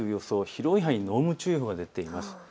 広い範囲で濃霧注意報が出ています。